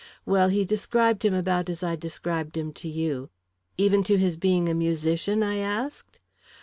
Well, he described him about as I described him to you " "Even to his being a musician?" I asked.